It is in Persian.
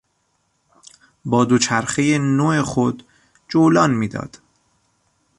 با دوچرخهی نو خود جولان میداد.